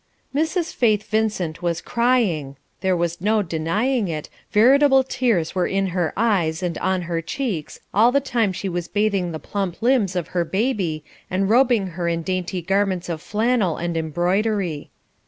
Mrs. Faith Vincent was crying; there was no denying it, veritable tears were in her eyes and on her cheeks all the time she was bathing the plump limbs of her baby and robing her in dainty garments of flannel and embroidery.